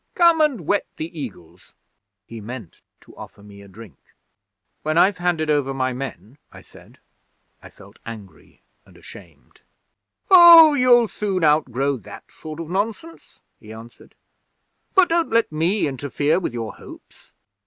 Come and wet the Eagles." He meant to offer me a drink. '"When I've handed over my men," I said. I felt angry and ashamed. '"Oh, you'll soon outgrow that sort of nonsense," he answered. "But don't let me interfere with your hopes.